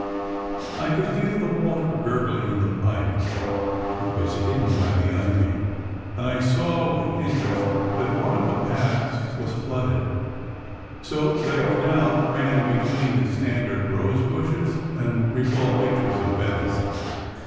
I could hear the water gurgling in the pipe that was hidden by the ivy, and I saw with interest that one of the paths was flooded, so that a canal ran between the standard rose bushes 266 A WET DAY and recalled pictures of Venice.